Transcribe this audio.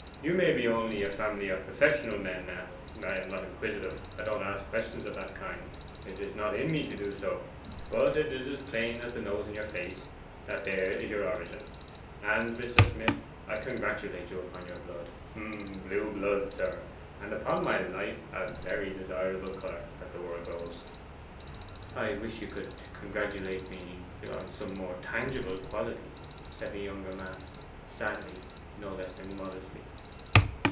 You may be only a family of professional men now I am not inquisitive: I don't ask questions of that kind; it is not in me to do so but it is as plain as the nose in your face that there's your origin! And, Mr. Smith, I congratulate you upon your blood; blue blood, sir; and, upon my life, a very desirable colour, as the world goes.' 'I wish you could congratulate me upon some more tangible quality,' said the younger man, sadly no less than modestly.